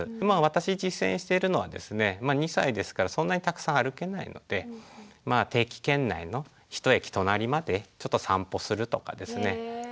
まあ私実践しているのはですねまあ２歳ですからそんなにたくさん歩けないので定期券内の１駅隣までちょっと散歩するとかですね。